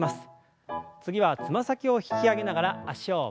次はつま先を引き上げながら脚を前に出しましょう。